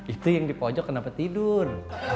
itu yang di pojok kenapa tidur